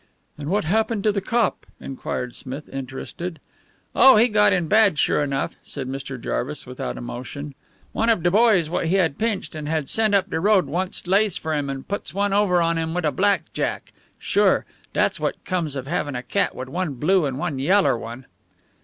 "And what happened to the cop?" enquired Smith, interested. "Oh, he got in bad, sure enough," said Mr. Jarvis without emotion. "One of de boys what he'd pinched and had sent up the road once lays for him and puts one over on him wit a black jack. Sure. Dat's what comes of havin' a cat wit' one blue and one yaller one."